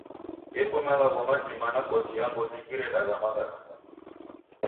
Gheko malagho mazima nakosi ya ngozi ghiredagha maghaluko.